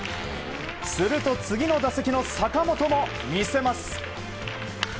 すると、次の打席の坂本も見せます。